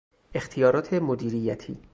اختیارات مدیریتی